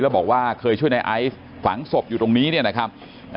แล้วบอกว่าเคยช่วยในไอซ์ฝังศพอยู่ตรงนี้เนี่ยนะครับ